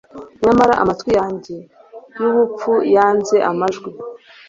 nyamara amatwi yanjye yubupfu yanze amajwi